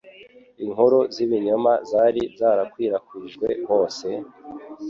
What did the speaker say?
Inkuru z'ibinyoma zari zarakwirakwijwe hose,